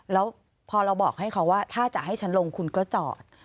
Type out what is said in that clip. แล้วพอเราบอกให้เขาว่าถ้าจะให้ฉันลงคุณก็จอด